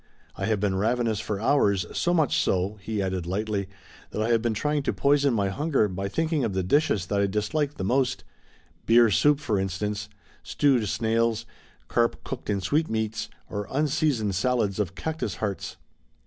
I have been ravenous for hours, so much so," he added lightly, "that I have been trying to poison my hunger by thinking of the dishes that I dislike the most, beer soup, for instance, stewed snails, carp cooked in sweetmeats or unseasoned salads of cactus hearts."